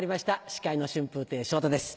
司会の春風亭昇太です。